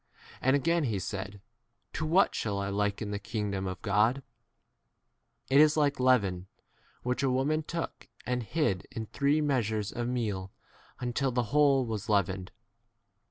And again he said, To what shall I liken the kingdom 21 of God ? It is like leaven, which a woman took and hid in three measures of meal until the whole •was leavened.